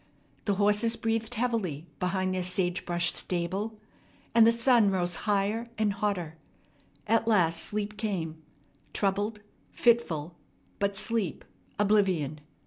The horses breathed heavily behind their sage brush stable, and the sun rose higher and hotter. At last sleep came, troubled, fitful, but sleep, oblivion.